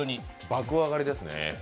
爆上がりですね。